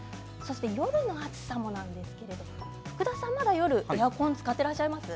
夜の暑さもなんですけれども福田さん、夜、エアコンを使っていらっしゃいますか？